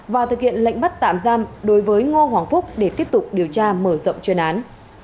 và thực hiện lệnh bắt tạm giam đối với ngô hoàng phúc để tiếp tục điều tra mở rộng chuyên án